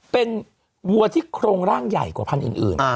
เป็นวัวที่โครงร่างใหญ่กว่าพันธุ์อื่น